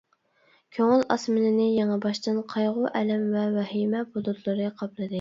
كۆڭۈل ئاسمىنىنى يېڭىباشتىن قايغۇ-ئەلەم ۋە ۋەھىمە بۇلۇتلىرى قاپلىدى.